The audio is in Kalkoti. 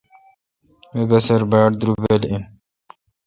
می بسِر باڑدربل این۔